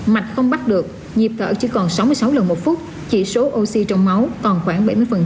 mạch không bắt được nhịp thở chỉ còn sáu mươi sáu lần một phút chỉ số oxy trong máu còn khoảng bảy mươi